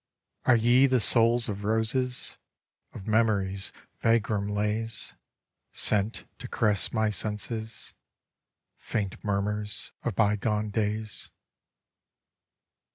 Are ye the souls of roses, Of memory's vagrora lays, Sent to caress my senses Saint murmurs of bygone days?